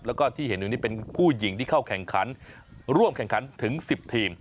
แล้วก็ที่เห็นอยู่นี่เป็นผู้หญิงที่เข้าแข่งขันร่วมแข่งขันถึง๑๐ทีม